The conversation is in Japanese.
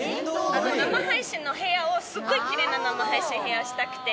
生配信の部屋をすごく綺麗な生配信部屋にしたくて。